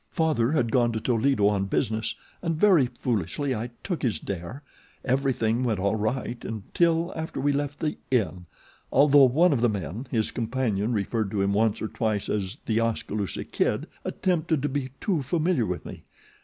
"Father had gone to Toledo on business, and very foolishly I took his dare. Everything went all right until after we left The Inn, although one of the men his companion referred to him once or twice as The Oskaloosa Kid attempted to be too familiar with me.